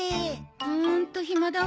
ホントひまだわ。